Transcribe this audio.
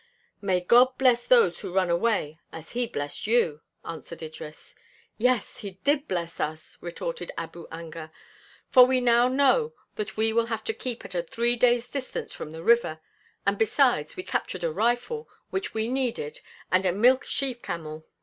"May God bless those who run away as he blessed you," answered Idris. "Yes! He did bless us," retorted Abu Anga, "for we now know that we will have to keep at a three days' distance from the river, and besides we captured a rifle which we needed and a milch she camel."